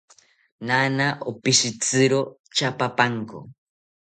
Naana opishitziro tyaapapanko